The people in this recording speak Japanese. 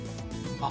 あっ。